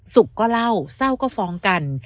ก็เล่าเศร้าก็ฟ้องกัน